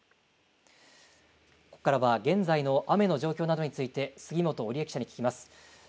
ここからは現在の雨の状況などについて杉本記者に聞きます。